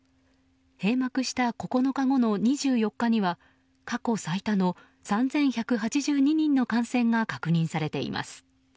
閉幕した９日後の２４日には過去最多の３１８２人の感染が確認されています。